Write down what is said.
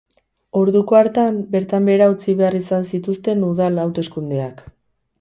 Orduko hartan, bertan behera utzi behar izan zituzten udal hauteskundeak.